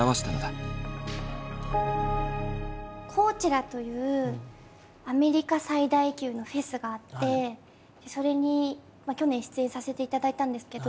コーチェラというアメリカ最大級のフェスがあってそれに去年出演させていただいたんですけど。